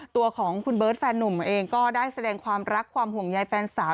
ตัวของคุณเบิร์ตแฟนหนุ่มเองก็ได้แสดงความรักความห่วงใยแฟนสาว